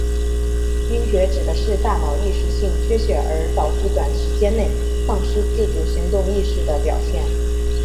晕厥指的是大脑一时性缺血而导致短时间内丧失自主行动意识的表现。